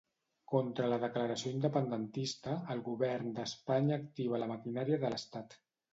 Contra la declaració independentista, el govern d'Espanya activa la maquinària de l'estat.